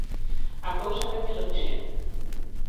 A cousa vén de lonxe.